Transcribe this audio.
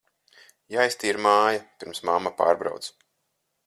Jāiztīra māja, pirms mamma pārbrauc.